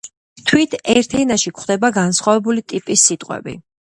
თვით ერთ ენაში გვხვდება განსხვავებული ტიპის სიტყვები.